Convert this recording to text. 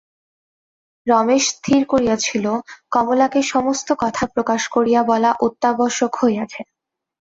রমেশ স্থির করিয়াছিল, কমলাকে সমস্ত কথা প্রকাশ করিয়া বলা অত্যাবশ্যক হইয়াছে।